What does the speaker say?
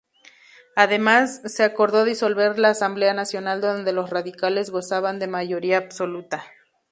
Además se acordó disolver la Asamblea Nacional donde los radicales gozaban de mayoría absoluta.